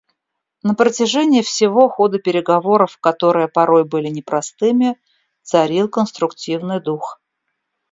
На протяжении всего хода переговоров, которые порой были непростыми, царил конструктивный дух.